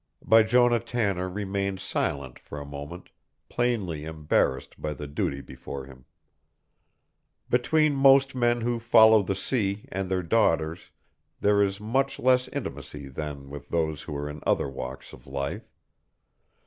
Bijonah Tanner remained silent for a moment, plainly embarrassed by the duty before him. Between most men who follow the sea and their daughters there is much less intimacy than with those who are in other walks of life.